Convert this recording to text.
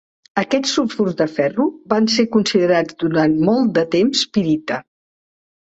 Aquests sulfurs de ferro van ser considerats durant molt de temps pirita.